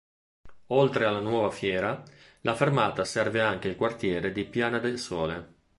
Oltre alla nuova fiera, la fermata serve anche il quartiere di Piana del Sole.